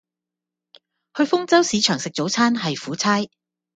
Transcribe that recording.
去豐洲市場食早餐係苦差